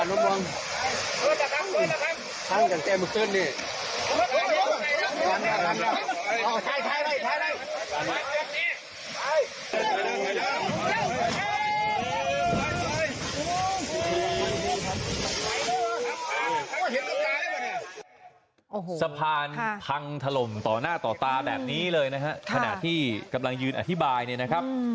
โอ้โหสะพานพังถล่มต่อหน้าต่อตาแบบนี้เลยนะฮะขณะที่กำลังยืนอธิบายเนี่ยนะครับ